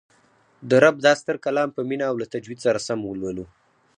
د رب دا ستر کلام په مینه او له تجوید سره سم ولولو